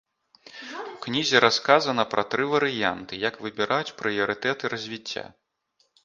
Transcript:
У кнізе расказана пра тры варыянты, як выбіраць прыярытэты развіцця.